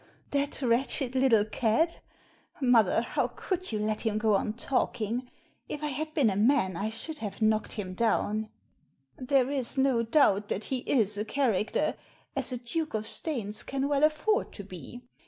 "That wretched little cad! Mother, how could you let him go on talking? If I had been a man I should have knocked him down." Digitized by VjOOQIC THE DUKE 305 "There is no doubt that he is a character, as a Duke of Staines can well afford to be.